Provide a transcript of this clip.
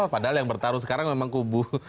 padahal yang bertarung sekarang memang kubu